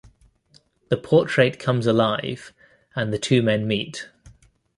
The portrait comes alive and the two men meet.